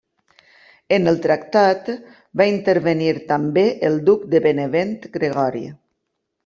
En el tractat va intervenir també el duc de Benevent Gregori.